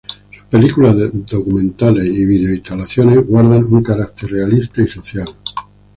Sus películas, documentales y vídeo-instalaciones guardan un carácter realista y social.